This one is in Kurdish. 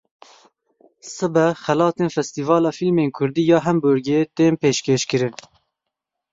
Sibe xelatên Festîvala Fîlmên Kurdî ya Hamburgê tên pêşkêşkirin.